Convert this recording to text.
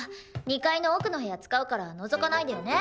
２階の奥の部屋使うからのぞかないでよね。